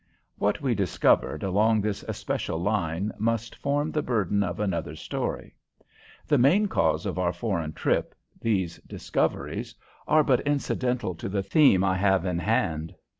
What we discovered along this especial line must form the burden of another story. The main cause of our foreign trip, these discoveries, are but incidental to the theme I have in hand.